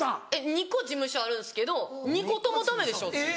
２個事務所あるんですけど２個ともダメでした私。